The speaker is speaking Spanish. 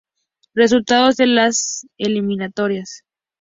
Resultados de las eliminatorias.